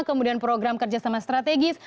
kemudian program kerjasama strategis